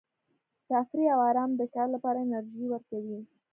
تفریح او ارام د کار لپاره انرژي ورکوي.